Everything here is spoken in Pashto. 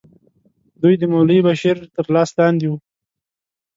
دوی د مولوي بشیر تر لاس لاندې وو.